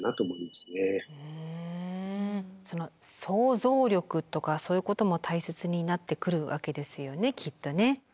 その想像力とかそういうことも大切になってくるわけですよねきっとね。